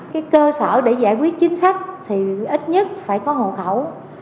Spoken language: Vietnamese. cái cơ sở để giải quyết chính sách thì ít nhất phải có hộ khẩu